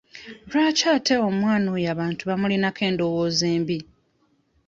Lwaki ate omwana oyo abantu bamulinako endowooza embi?